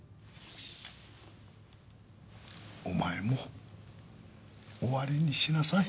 お前も終わりにしなさい。